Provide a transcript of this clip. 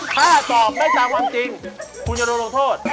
ถ้าตอบไม่ตามวันจริงคุณจะโดนโทษ